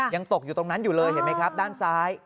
ยังตกอยู่ตรงนั้นอยู่เลยเห็นไหมครับด้านซ้าย